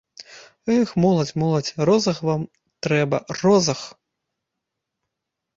Эх, моладзь, моладзь, розаг вам трэба, розаг!